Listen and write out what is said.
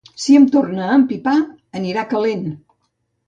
Si em torna a empipar anirà calent.